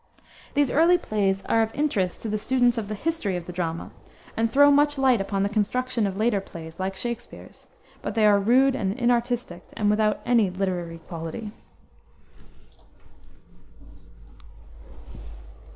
These early plays are of interest to students of the history of the drama, and throw much light upon the construction of later plays, like Shakspere's; but they are rude and inartistic, and without any literary quality.